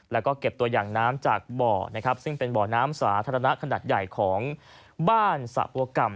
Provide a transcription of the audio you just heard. และเก็บตัวอย่างน้ำจากบ่อซึ่งเป็นบ่อน้ำสาธารณะขนาดใหญ่ของบ้านสหกกรรม